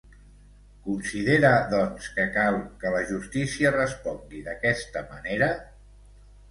Considera, doncs, que cal que la justícia respongui d'aquesta manera?